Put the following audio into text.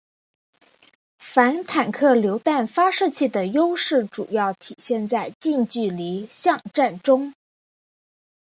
反坦克榴弹发射器的优势主要体现在近距离巷战中。